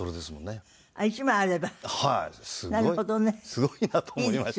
すごいなと思いました。